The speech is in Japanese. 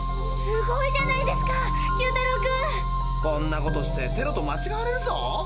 すごいじゃないですか九太郎君！こんなことしてテロとまちがえられるぞ。